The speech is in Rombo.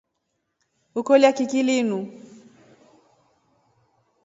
Ukovya kiki linu.